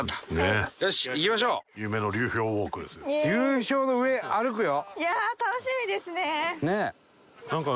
流氷の上歩くよ。